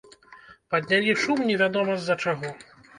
Паднялі шум невядома з-за чаго!